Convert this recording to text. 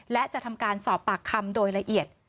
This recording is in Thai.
และจะทำการสอบปากคำโดยละเอียด